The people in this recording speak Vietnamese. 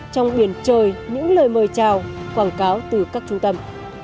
trong biển trời những lời mời chào quảng cáo từ các trung tâm